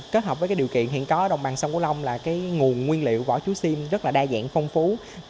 kết hợp với điều kiện hiện có ở đồng bằng sông cửu long là nguồn nguyên liệu vỏ chú xiêm rất đa dạng phong phú